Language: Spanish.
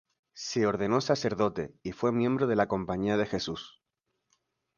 Se ordenó sacerdote y fue miembro de la Compañía de Jesús.